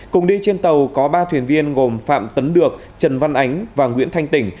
cùng đi trên tàu có ba thuyền viên gồm phạm tấn được trần văn ánh và nguyễn thanh tỉnh